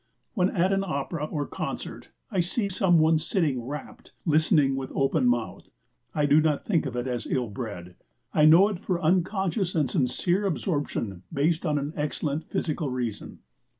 When at an opera or concert I see some one sitting rapt, listening with open mouth, I do not think of it as ill bred. I know it for unconscious and sincere absorption based on an excellent physical reason.